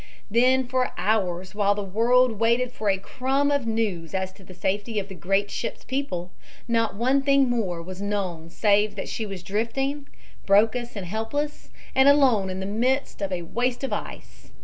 Then for hours, while the world waited for a crumb of news as to the safety of the great ship's people, not one thing more was known save that she was drifting, broken and helpless and alone in the midst of a waste of ice.